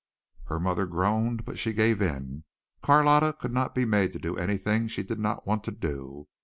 Her mother groaned, but she gave in. Carlotta could not be made to do anything she did not want to do.